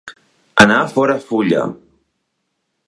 Anar fora fulla.